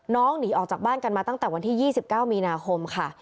หนีออกจากบ้านกันมาตั้งแต่วันที่๒๙มีนาคมค่ะ